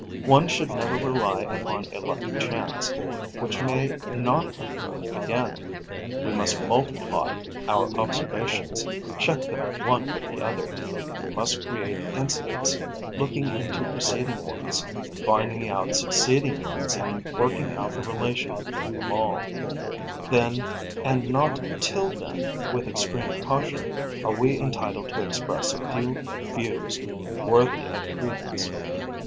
One should never rely upon a lucky chance, which may not occur again. We must multiply our observations, check them one with the other; we must create incidents, looking into preceding ones, finding out succeeding ones and working out the relation between them all: then and not till then, with extreme caution, are we entitled to express a few views worthy of credence.